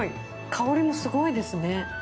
香りもすごいですね。